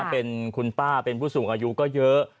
เป็นคุณป้าเป็นผู้สูงอายุก็เยอะ